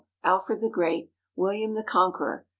Alfred the Great. William the Conqueror.